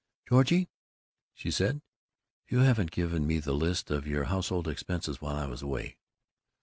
"Georgie," she said, "you haven't given me the list of your household expenses while I was away."